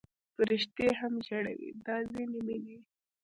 فرشتې هم ژړوي دا ځینې مینې